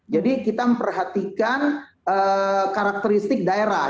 jadi kita memperhatikan karakteristik daerah